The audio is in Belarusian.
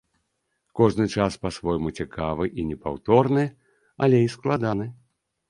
Кожны час па-свойму цікавы і непаўторны, але і складаны.